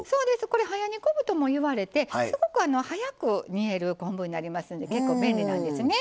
これ早煮昆布ともいわれてすごく早く煮える昆布になりますんで結構便利なんですね。